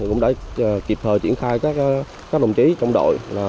cũng đã kịp thời triển khai các đồng chí trong đội